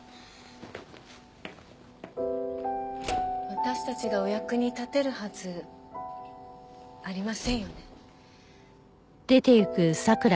私たちがお役に立てるはずありませんよね。